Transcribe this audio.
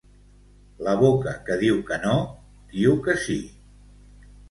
La boca que diu que no, diu que sí.